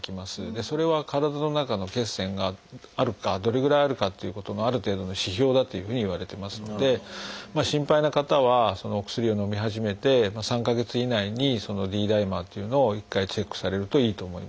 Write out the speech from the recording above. それは体の中の血栓があるかどれぐらいあるかということのある程度の指標だというふうにいわれてますので心配な方はそのお薬をのみ始めて３か月以内にそのＤダイマーというのを一回チェックされるといいと思います。